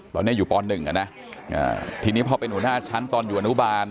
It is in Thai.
ตอนนี้อยู่ป๑อ่ะนะทีนี้พอเป็นหัวหน้าชั้นตอนอยู่อนุบาล